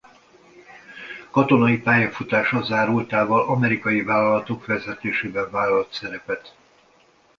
Katonai pályafutása zárultával amerikai vállalatok vezetésében vállalt szerepet.